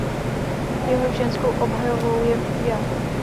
Jeho ženskou obdobou je Pia.